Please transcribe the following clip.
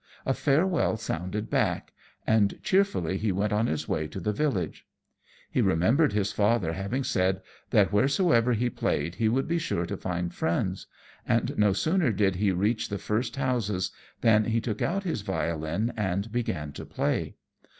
A farewell sounded back, and cheerfully he went on his way to the village. He remembered his father having said that wheresoever he played he would be sure to find friends; and no sooner did he reach the first houses, than he took out his violin and began to play.